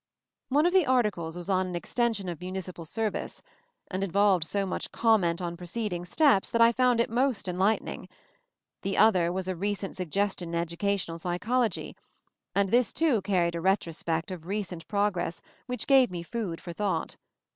One of the articles was on an extension of municipal service, and involved so much comment on preceding steps that I found it most enlightening. The other was a recent suggestion in educational psychology, and this too carried a retrospect of recent prog ress which gave me food for thought.